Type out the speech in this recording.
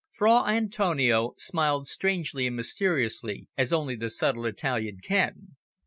Fra Antonio smiled strangely and mysteriously, as only the subtle Italian can.